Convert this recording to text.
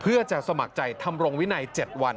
เพื่อจะสมัครใจทำรงวินัย๗วัน